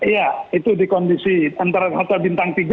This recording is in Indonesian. jadi kondisi antara bintang tiga